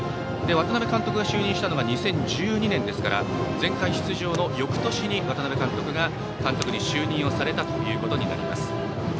渡辺監督が就任したのが２０１２年ですから前回出場のよくとしに渡辺監督が監督に就任されたということになります。